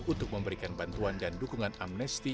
untuk memberikan bantuan dan dukungan amnesti